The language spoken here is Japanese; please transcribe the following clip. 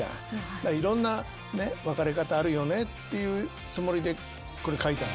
だからいろんな別れ方あるよねっていうつもりで書いたんです。